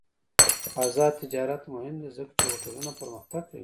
آزاد تجارت مهم دی ځکه چې هوټلونه پرمختګ کوي.